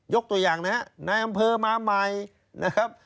ตัวอย่างนะครับนายอำเภอมาใหม่นะครับ